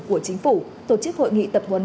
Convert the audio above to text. của chính phủ tổ chức hội nghị tập huấn